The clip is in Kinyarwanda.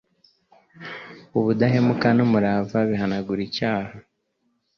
Ubudahemuka n’umurava bihanagura icyaha